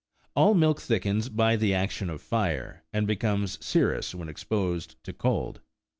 All milk thickens by the action of fire, and becomes serous when exposed to cold.